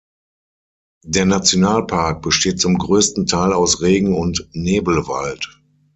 Der Nationalpark besteht zum größten Teil aus Regen- und Nebelwald.